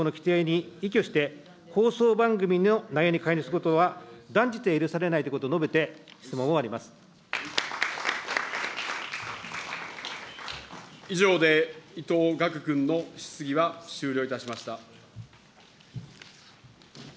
政府がこれらの放送の規定に依拠して、放送番組の内容に介入することは断じて許されないということを述以上で伊藤岳君の質疑は終了